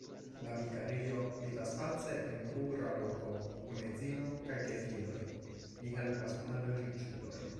La vikario vivas pace en rura loko kun edzino kaj gefiloj; li helpas malriĉulojn.